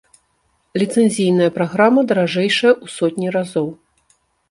Ліцэнзійная праграма даражэйшая ў сотні разоў.